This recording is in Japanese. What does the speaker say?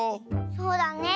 そうだね。